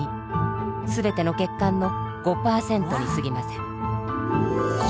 すべての血管の５％にすぎません。